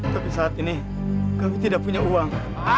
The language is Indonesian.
tapi saat ini kami tidak punya uang